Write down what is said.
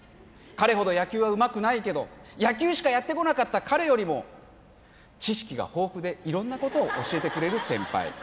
彼ほど野球はうまくないけど野球しかやってこなかった彼よりも知識が豊富で色んなことを教えてくれる先輩